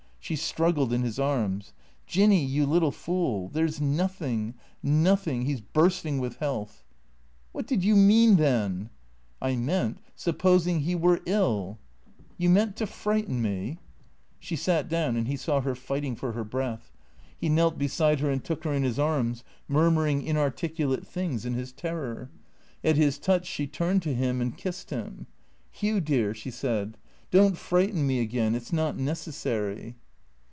She struggled in his arms. "Jinny, you little fool. There's nothing — nothing He's bursting with health." THE CREATORS 329 " What did you mean, then ?"" I meant — supposing he were ill "" You meant to frighten me ?" She sat down and he saw her fighting for her breath. He knelt beside her and took her in his arms, murmuring inarticu late things in his terror. At his touch she turned to him and kissed him. " Hugh, dear," she said, " don't frighten me again. It 's not necessary."